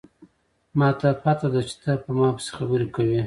ما ته پته ده چې ته په ما پسې خبرې کوې